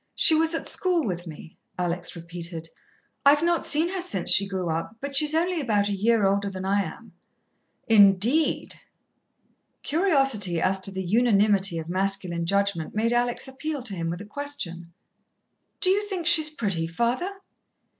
She was at school with me," Alex repeated. "I've not seen her since she grew up but she's only about a year older than I am." "Indeed!" Curiosity as to the unanimity of masculine judgment made Alex appeal to him with a question. "Do you think she's pretty, father?"